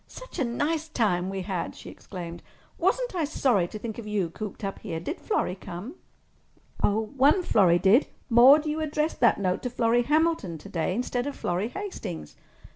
"Such a nice time as we had!" she exclaimed. "Wasn't I sorry to think of you cooped up here! Did Florrie come?" "One Florrie did. Maude, you addressed that note to Florrie Hamilton today instead of Florrie Hastings."